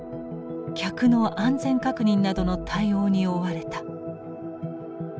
「客の安全確認などの対応に追われた」。